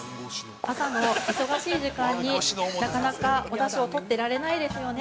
朝の忙しい時間になかなかおだしを取ってられないですよね？